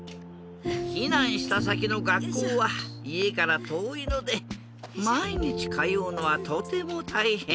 ひなんしたさきのがっこうはいえからとおいのでまいにちかようのはとてもたいへん。